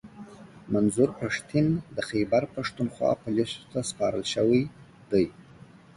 منظور پښتین د خیبرپښتونخوا پوليسو ته سپارل شوی دی